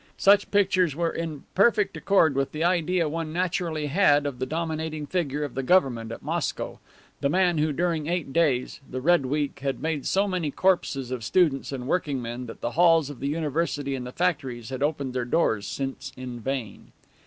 Such pictures were in perfect accord with the idea one naturally had of the dominating figure of the government at Moscow, the man who, during eight days the Red Week had made so many corpses of students and workmen that the halls of the University and the factories had opened their doors since in vain.